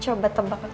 kayaknya dia dong